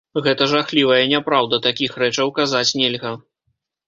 Гэта жахлівая няпраўда, такіх рэчаў казаць нельга.